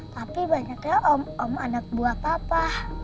tapi banyaknya om anak buah papa